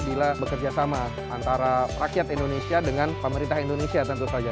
bila bekerja sama antara rakyat indonesia dengan pemerintah indonesia tentu saja